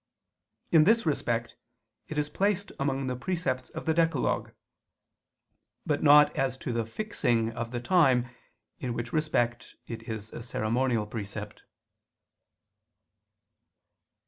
In this respect it is placed among the precepts of the decalogue: but not as to the fixing of the time, in which respect it is a ceremonial precept.